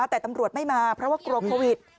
แต่ตำรวจไม่มาเพราะว่ากลัวโควิด